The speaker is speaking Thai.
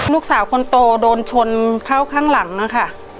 ลูกสาวคนโตโดนชนเข้าข้างหลังนะคะ